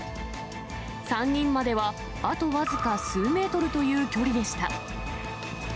３人まではあと僅か数メートルという距離でした。